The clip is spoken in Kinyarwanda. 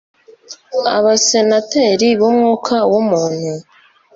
abasenateri b'umwuka w'umuntu